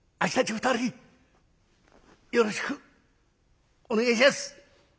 ２人よろしくお願いします。